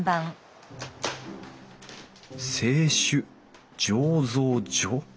「清酒醸造所」？